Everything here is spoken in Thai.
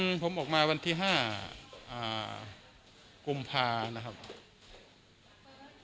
นี่จริงผมออกมาวันที่๕กุมภาที